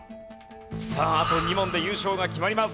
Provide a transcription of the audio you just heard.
さああと２問で優勝が決まります。